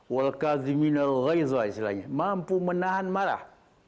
mampu menahan marah